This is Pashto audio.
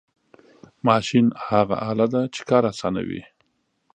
ماشین هغه آله ده چې کار آسانوي.